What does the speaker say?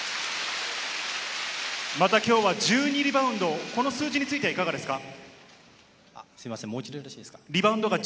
またきょうは１２リバウンド、この数字についてはいかがですか？